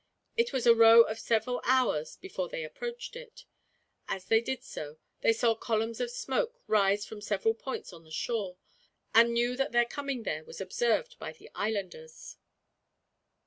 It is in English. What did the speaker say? It was a row of several hours before they approached it. As they did so, they saw columns of smoke rise from several points of the shore, and knew that their coming there was observed by the islanders.